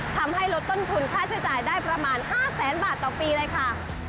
ทำให้ลดต้นทุนค่าใช้จ่ายได้ประมาณ๕แสนบาทต่อปีเลยค่ะ